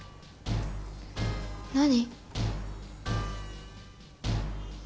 何？